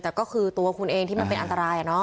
แต่ก็คือตัวคุณเองที่มันเป็นอันตราย